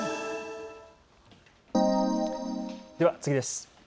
では次です。